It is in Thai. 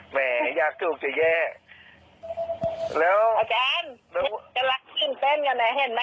แล้วอาจารย์เดี๋ยวกันละสินเต้นกันนะเห็นไหม